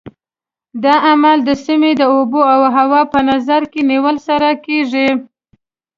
دا عمل د سیمې د اوبو او هوا په نظر کې نیولو سره کېږي.